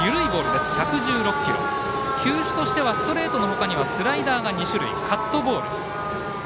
球種としてはストレートのほかにはスライダーが２種類カットボール。